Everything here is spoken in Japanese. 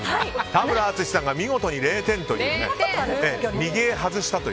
田村淳さんが見事に０点というね。